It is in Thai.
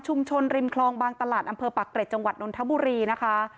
ริมคลองบางตลาดอำเภอปักเกร็จจังหวัดนทบุรีนะคะ